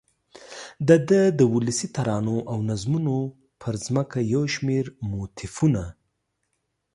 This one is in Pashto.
دده د ولسي ترانو او نظمونو پر ځمکه یو شمېر موتیفونه